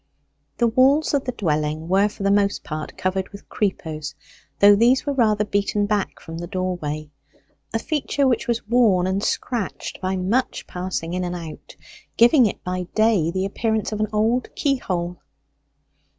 The walls of the dwelling were for the most part covered with creepers, though these were rather beaten back from the doorway a feature which was worn and scratched by much passing in and out, giving it by day the appearance of an old keyhole.